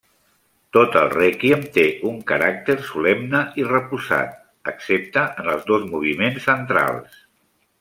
Tot el Rèquiem té un caràcter solemne i reposat, excepte en els dos moviments centrals.